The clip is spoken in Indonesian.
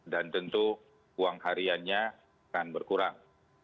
dan tentu uang hariannya akan berkurang